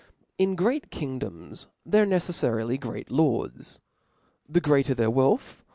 In great kingdoms, there arc neceffarily great lords. The greater their wealth, th.